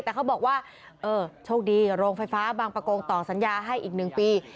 แต่เขาบอกว่าเออโชคดีโรงไฟฟ้าบางประกงต่อสัญญาให้อีก๑ปี